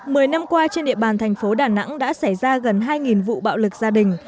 mười năm qua trên địa bàn thành phố đà nẵng đã xảy ra gần hai vụ bạo lực gia đình